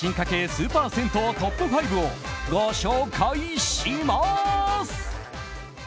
スーパー銭湯トップ５をご紹介します。